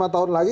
lima tahun lagi